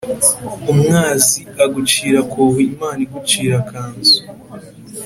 umwazi agucira akobo Imana igucira akanzu